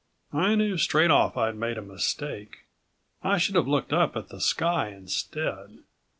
I knew straight off I'd made a mistake. I should have looked up at the sky instead.